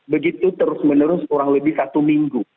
begitu terus menerus kurang lebih satu minggu